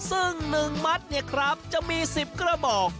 ซึ่ง๑มัดเนี่ยครับจะมี๑๐กระบอก